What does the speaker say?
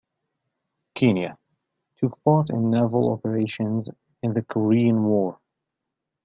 "Kenya" took part in naval operations in the Korean War.